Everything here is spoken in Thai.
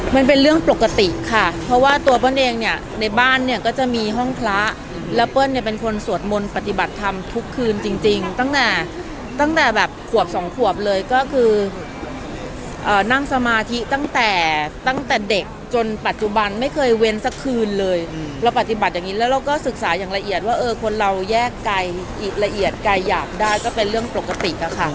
มันเป็นเรื่องปกติค่ะเพราะว่าตัวเปิ้ลเองเนี่ยในบ้านเนี่ยก็จะมีห้องพระแล้วเปิ้ลเนี่ยเป็นคนสวดมนต์ปฏิบัติธรรมทุกคืนจริงตั้งแต่ตั้งแต่แบบขวบสองขวบเลยก็คือนั่งสมาธิตั้งแต่ตั้งแต่เด็กจนปัจจุบันไม่เคยเว้นสักคืนเลยเราปฏิบัติอย่างนี้แล้วเราก็ศึกษาอย่างละเอียดว่าเออคนเราแยกไกลละเอียดไกลหยาบได้ก็เป็นเรื่องปกติอะค่ะ